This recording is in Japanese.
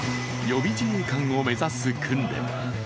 予備自衛官を目指す訓練。